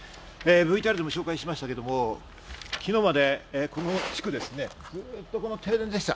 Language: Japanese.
ＶＴＲでも紹介しましたけれども、昨日まで、この地区ですね、ずっと停電でした。